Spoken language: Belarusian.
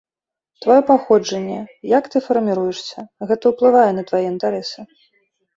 Тваё паходжанне, як ты фарміруешся, гэта ўплывае на твае інтарэсы.